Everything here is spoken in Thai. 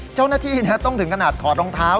เจ้าหน้าที่ต้องถึงขนาดถอดรองเท้า